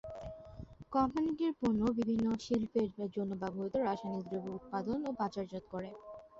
কোম্পানিটি এর পণ্য বিভিন্ন শিল্পের জন্য ব্যবহৃত রাসায়নিক দ্রব্য উৎপাদন ও বাজারজাত করে।